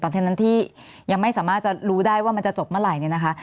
แค่นั้นที่ยังไม่สามารถจะรู้ได้ว่ามันจะจบเมื่อไหร่เนี่ยนะคะ